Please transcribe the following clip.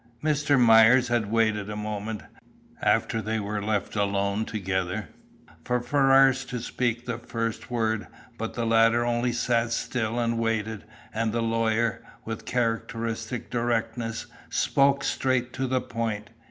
Mr. Myers had waited a moment, after they were left alone together, for Ferrars to speak the first word, but the latter only sat still and waited, and the lawyer, with characteristic directness, spoke straight to the point.